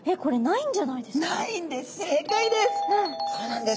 ないんです！